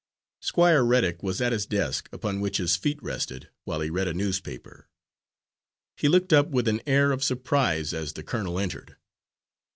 Squire Reddick was at his desk, upon which his feet rested, while he read a newspaper. He looked up with an air of surprise as the colonel entered.